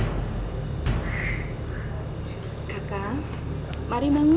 kakak mari bangun